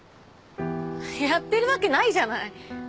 やってるわけないじゃない。